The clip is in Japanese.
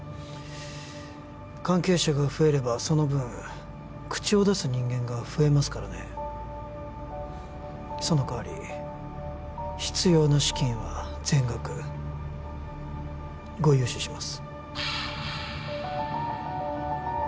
関係者が増えればその分口を出す人間が増えますからねその代わり必要な資金は全額ご融資します